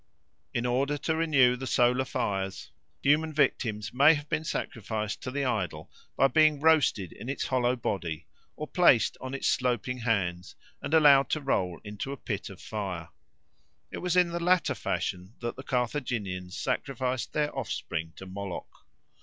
In order to renew the solar fires, human victims may have been sacrificed to the idol by being roasted in its hollow body or placed on its sloping hands and allowed to roll into a pit of fire. It was in the latter fashion that the Carthaginians sacrificed their offspring to Moloch.